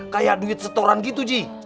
kayak duit setoran gitu ji